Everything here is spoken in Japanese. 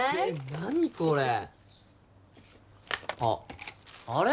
何これあっあれ？